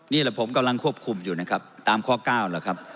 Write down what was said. นี่แหละผมกำลังควบคุมอยู่นะครับตามข้อ๙แล้วครับ